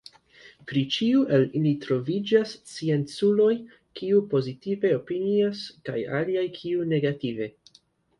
Pri ĉiu el ili troviĝas scienculoj kiuj pozitive opinias kaj aliaj kiuj negative.